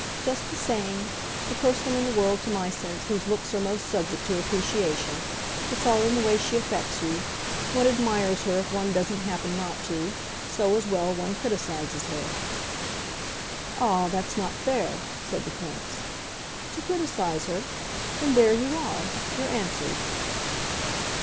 "Just the same. The person in the world, to my sense, whose looks are most subject to appreciation. It's all in the way she affects you. One admires her if one doesn't happen not to. So, as well, one criticises her." "Ah, that's not fair!" said the Prince. "To criticise her? Then there you are! You're answered."